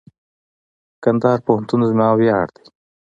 کندهار پوهنتون زما ویاړ دئ.